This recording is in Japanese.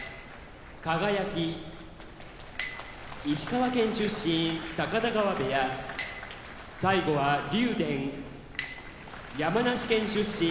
輝石川県出身高田川部屋竜電山梨県出身